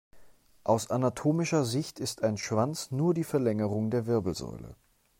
Aus anatomischer Sicht ist ein Schwanz nur die Verlängerung der Wirbelsäule.